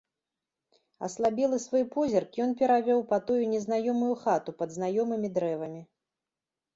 Аслабелы свой позірк ён перавёў па тую незнаёмую хату пад знаёмымі дрэвамі.